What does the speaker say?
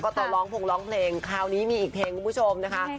ตอนร้องพงร้องเพลงคราวนี้มีอีกเพลงคุณผู้ชมนะคะ